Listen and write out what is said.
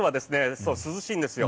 そう、涼しいんですよ。